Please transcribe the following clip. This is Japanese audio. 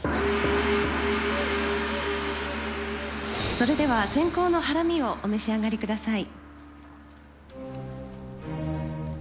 それでは先攻のハラミをお召し上がりください。